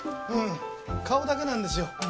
うん顔だけなんですよ